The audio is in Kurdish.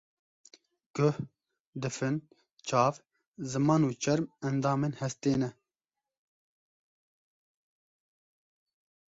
Guh, difin, çav, ziman û çerm endamên hestê ne.